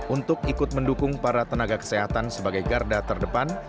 untuk ikut mendukung para tenaga kesehatan sebagai garda terdepan